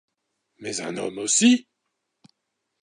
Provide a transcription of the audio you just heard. Mais un homme aussi !